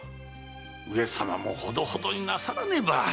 上様もほどほどになさらねば。